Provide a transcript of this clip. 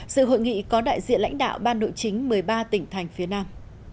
sự hội nghị có đại diện lãnh đạo ban nội chính một mươi ba tỉnh thành phía nam